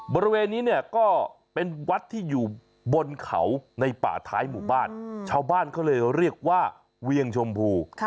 บริเวณนี้เนี่ยก็เป็นวัดที่อยู่บนเขาในป่าท้ายหมู่บ้านชาวบ้านเขาเลยเรียกว่าเวียงชมพู